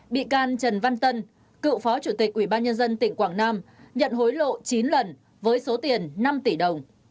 bị can trần văn tân cựu phó chủ tịch ubnd tp quảng nam nhận hối lộ chín lần với số tiền năm tỷ đồng